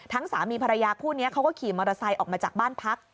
สามีภรรยาคู่นี้เขาก็ขี่มอเตอร์ไซค์ออกมาจากบ้านพัก